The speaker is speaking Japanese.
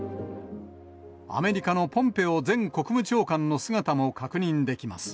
アメリカのポンペオ前国務長官の姿も確認できます。